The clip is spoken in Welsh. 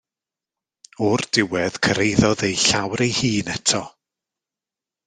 O'r diwedd cyrhaeddodd ei llawr ei hun eto.